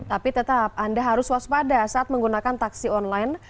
tapi tetap anda harus waspada saat menggunakan taksi online